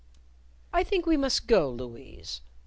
"I think we must go, Louise."